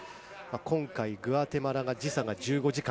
グアテマラが時差１５時間。